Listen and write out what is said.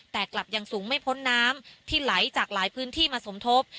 แต่กลับยังสูงไม่พ้นน้ำที่ไหลจากหลายพื้นที่มาสมทบ